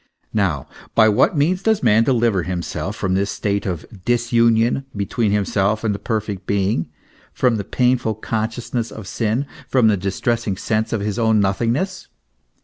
Now, by what means does man deliver himself from this state of disunion between himself and the perfect being, from the painful consciousness of sin, from the distressing sense of his own nothingness?